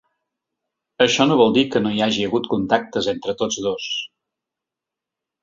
Això no vol dir que no hi hagi hagut contactes entre tots dos.